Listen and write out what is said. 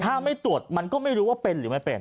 ถ้าไม่ตรวจมันก็ไม่รู้ว่าเป็นหรือไม่เป็น